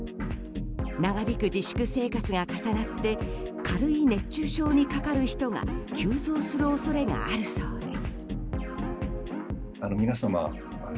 長引く自粛生活が重なって軽い熱中症にかかる人が急増する恐れがあるそうです。